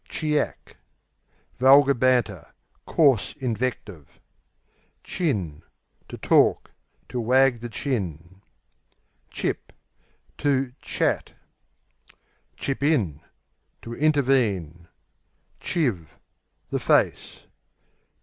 Chiack Vulgar banter; coarse invective. Chin To talk; to wag the chin. Chip To "chat," q.v. Chip in To intervene. Chiv The face.